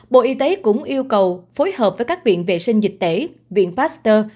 bộ y tế cũng yêu cầu phối hợp với các viện vệ sinh dịch tễ viện pasteur